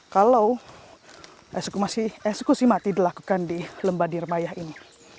kalau eksekusi mati dilakukan di lembah ngerbaya ini